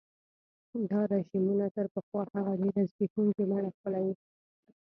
دا رژیمونه تر پخوا هغه ډېره زبېښونکي بڼه خپلوي.